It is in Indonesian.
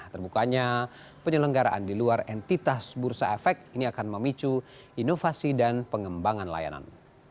terbukanya penyelenggaraan di luar entitas bursa efek ini akan memicu inovasi dan pengembangan layanan